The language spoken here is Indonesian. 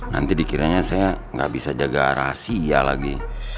nanti dikiranya saya nggak bisa jaga rahasia lagi